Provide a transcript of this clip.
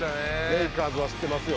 レイカーズは知ってますよ。